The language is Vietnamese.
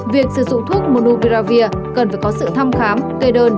việc sử dụng thuốc monubiravir cần phải có sự thăm khám kê đơn